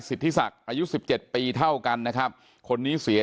สิทธิศักดิ์อายุสิบเจ็ดปีเท่ากันนะครับคนนี้เสีย